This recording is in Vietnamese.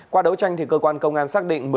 qua đấu tranh thì cơ quan công an xác định